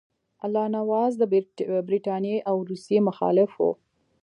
الله نواز د برټانیې او روسیې مخالف وو.